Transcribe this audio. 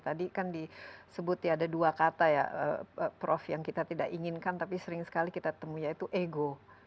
tadi kan disebut ya ada dua kata ya prof yang kita tidak inginkan tapi sering sekali kita temui yaitu ego